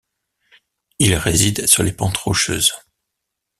Il réside sur les pentes rocheuses.